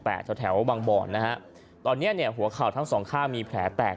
ที่แถวบางบ่อนตอนนี้หัวเข่าทั้งสองข้างมีแผลแตก